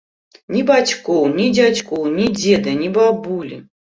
Ні бацькоў, ні дзядзькоў, ні дзеда, ні бабулі.